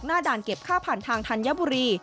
หน้าด่านเก็บข้าวผ่านทางธัญบุรี